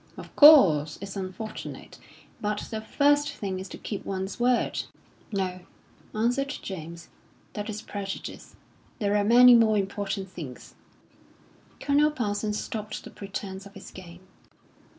"Of course, it's unfortunate; but the first thing is to keep one's word." "No," answered James, "that is prejudice. There are many more important things." Colonel Parsons stopped the pretence of his game.